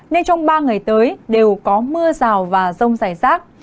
nên trong ba ngày tới đều có mưa rào và rông rải rác